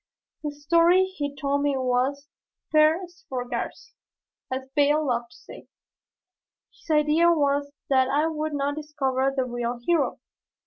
The story he told me was "per sfogarsi," as Bayle loved to say; his idea was that I would not discover the real hero.